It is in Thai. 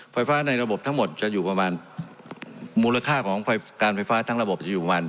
ไฟฟ้าในระบบทั้งหมดจะอยู่ประมาณมูลค่าของการไฟฟ้าทั้งระบบจะอยู่ของมัน